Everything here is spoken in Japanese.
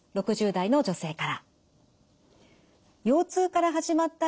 ６０代の女性から。